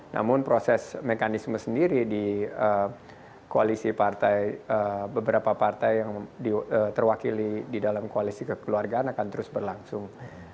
namun proses mekanisme sendiri di koalisi partai beberapa partai yang terwakili di dalam koalisi kekeluargaan akan terus berlangsung